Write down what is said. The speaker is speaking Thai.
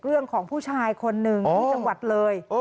เรื่องของผู้ชายคนหนึ่งที่จังหวัดเลย